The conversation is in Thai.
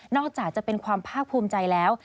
อกจากจะเป็นความภาคภูมิใจแล้ว